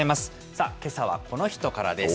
さあ、けさはこの人からです。